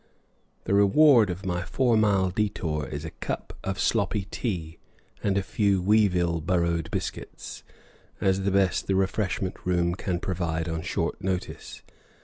The reward of my four mile detour is a cup of sloppy tea and a few weevil burrowed biscuits, as the best the refreshment room can produce on short notice.